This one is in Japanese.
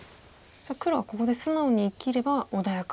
さあ黒はここで素直に生きれば穏やか。